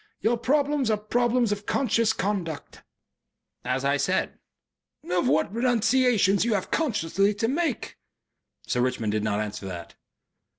Your problems are problems of conscious conduct." "As I said." "Of what renunciations you have consciously to make." Sir Richmond did not answer that....